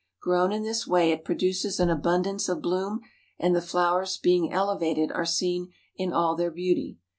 Grown in this way it produces an abundance of bloom, and the flowers being elevated are seen in all their beauty.